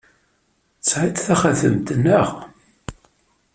Tesɛiḍ taxatemt, naɣ?